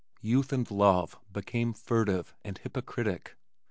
Youth and love became furtive and hypocritic.